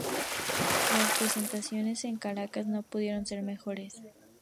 Las presentaciones en Caracas no pudieron ser mejores.